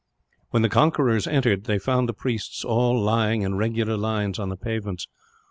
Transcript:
"When the conquerors entered, they found the priests all lying, in regular lines, on the pavements.